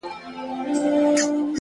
• راڅخه زړه وړي رانه ساه وړي څوك ـ